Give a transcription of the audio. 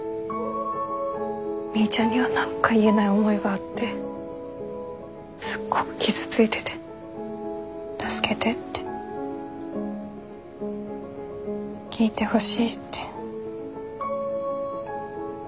みーちゃんには何か言えない思いがあってすっごく傷ついてて助けてって聞いてほしいって言ってたんじゃないかと思う。